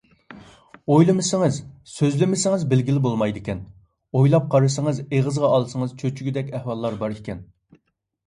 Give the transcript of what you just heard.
ئويلىمىسىڭىز، سۆزلىمىسىڭىز بىلگىلى بولمايدىكەن، ئويلاپ قارىسىڭىز، ئېغىزغا ئالسىڭىز چۆچۈگۈدەك ئەھۋاللار بار ئىكەن.